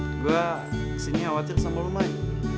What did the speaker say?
gue di sini khawatir sama lo mai